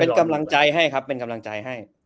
เป็นกำลังใจให้ครับเป็นกำลังใจให้